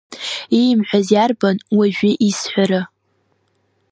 Иимҳәаз иарбан уажәы исҳәара?